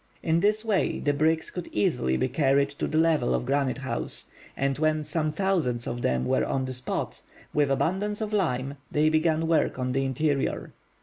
In this way the bricks could easily be carried to the level of Granite House; and when some thousands of them were on the spot, with abundance of lime, they began work on the interior.